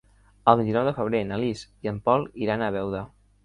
El vint-i-nou de febrer na Lis i en Pol iran a Beuda.